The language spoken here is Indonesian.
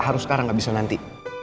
harus sekarang nggak bisa nanti